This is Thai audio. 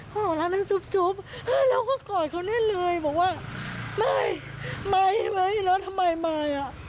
พ่อรักแล้วจุ๊บจุ๊บแล้วก็กอดเขาเนี่ยเลยบอกว่าไม่ไม่แล้วทำไมมาย